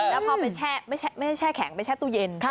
แล้วพอไปแช่แข็งไปแช่ตู้เย็น